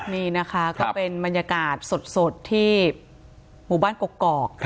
นี่นะคะก็เป็นบรรยากาศสดที่หมู่บ้านกกอก